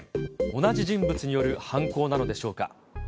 同じ人物による犯行なのでしょうか。